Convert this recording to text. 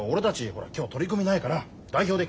ほら今日取組ないから代表で来たの。